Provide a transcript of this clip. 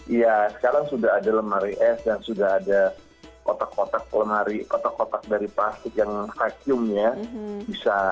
iya sekarang sudah ada lemari es dan sudah ada kotak kotak dari plastik yang vakumnya bisa